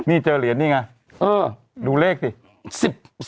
นี่เจอเหรียญนี่ไงเออดูเลขสิ